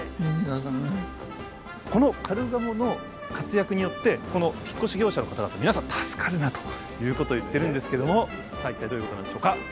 このカルガモの活躍によってこの引っ越し業者の方々皆さん助かるなあということを言ってるんですけどもさあ一体どういうことなんでしょうか。